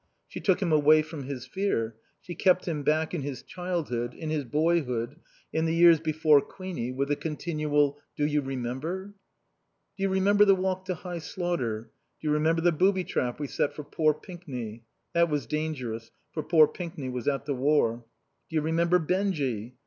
She took him away from his fear; she kept him back in his childhood, in his boyhood, in the years before Queenie, with a continual, "Do you remember?" "Do you remember the walk to High Slaughter?" "Do you remember the booby trap we set for poor Pinkney?" That was dangerous, for poor Pinkney was at the War. "Do you remember Benjy?"